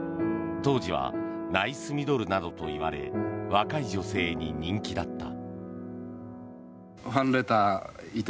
当時はナイスミドルなどと言われ若い女性に人気だった。